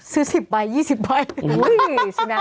ซื้อ๑๐ใบ๒๐ใบ